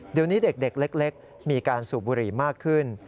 เดี๋ยวนี้เด็กเล็กมีการสูบบุหรี่มากขึ้น